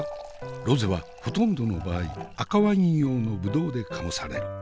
ロゼはほとんどの場合赤ワイン用のぶどうで醸される。